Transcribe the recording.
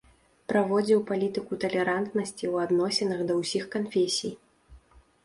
Праводзіў палітыку талерантнасці ў адносінах да ўсіх канфесій.